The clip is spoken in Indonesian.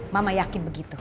mama yakin begitu